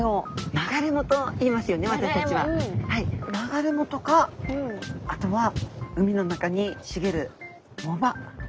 流れ藻とかあとは海の中にしげる藻場。